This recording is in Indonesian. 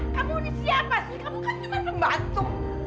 kamu ini siapa sih kamu kan cuma pembantu